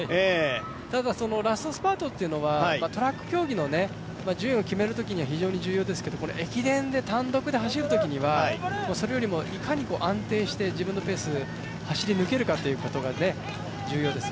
ただラストスパートというのはトラック競技の順位を決めるときには非常に重要ですけれども、駅伝で単独で走るときには、それよりもいかに安定して自分のペース走り抜けるかっていうことが重要です。